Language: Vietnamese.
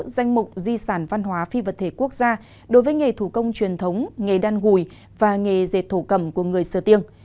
danh mục di sản văn hóa phi vật thể quốc gia đối với nghề thủ công truyền thống nghề đan gùi và nghề dệt thổ cầm của người sơ tiên